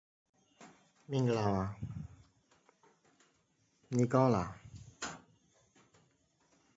As "Britannia", she was a hulk, and only had her foremast.